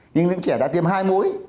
nhưng những trẻ đã tiêm hai mũi